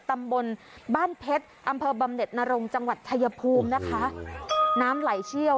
ตำบลบ้านเพชรอำเภอบำเน็ตนรงจังหวัดชายภูมินะคะน้ำไหลเชี่ยว